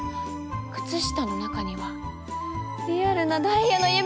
靴下の中にはリアルなダイヤの指輪も！